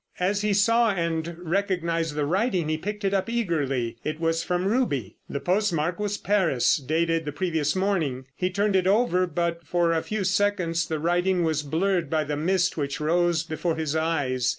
As he saw and recognised the writing he picked it up eagerly. It was from Ruby. The postmark was Paris, dated the previous morning. He turned it over, but for a few seconds the writing was blurred by the mist which rose before his eyes.